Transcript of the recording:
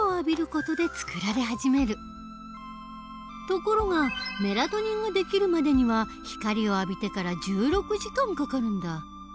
ところがメラトニンができるまでには光を浴びてから１６時間かかるんだ。